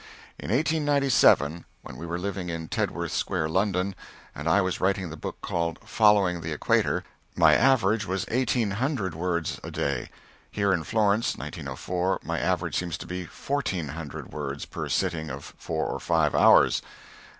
In 1897, when we were living in Tedworth Square, London, and I was writing the book called "Following the Equator" my average was eighteen hundred words a day; here in Florence (1904), my average seems to be fourteen hundred words per sitting of four or five hours.